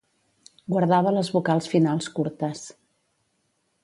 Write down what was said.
Guardava les vocals finals curtes.